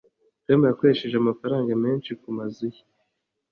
tom yakoresheje amafaranga menshi kumazu ye